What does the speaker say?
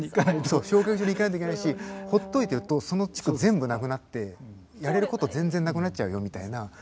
そう焼却場に行かないといけないしほっといてるとその地区全部無くなってやれること全然無くなっちゃうよみたいな。